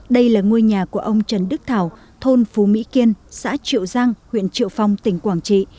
đây là ngôi nhà của ông trần đức thảo thôn phú mỹ kiên xã triệu giang huyện triệu phong tỉnh quảng trị